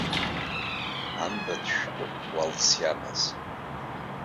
Анбан шәҟәы уалс иамаз.